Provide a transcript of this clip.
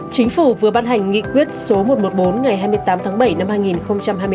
chính phủ vừa ban hành nghị quyết số một trăm một mươi bốn ngày hai mươi tám tháng bảy năm hai nghìn hai mươi bốn